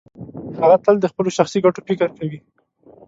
هغه تل د خپلو شخصي ګټو فکر کوي.